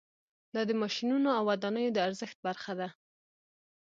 دا د ماشینونو او ودانیو د ارزښت برخه ده